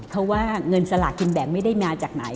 เพราะว่าเงินสลากกินแบ่งไม่ได้มาจากไหน